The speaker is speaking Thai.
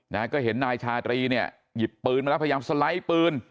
นะฮะก็เห็นนายชาตรีเนี่ยหยิบปืนมาแล้วพยายามสไลด์ปืน